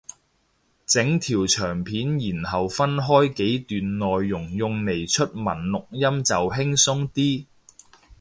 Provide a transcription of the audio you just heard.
整條長片然後分開幾段內容用嚟出文錄音就輕鬆啲